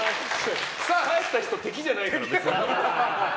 帰った人敵じゃないから、別に。